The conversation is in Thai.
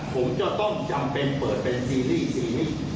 ผมจะต้องจำเป็นเปิดเป็นซีรีส์สี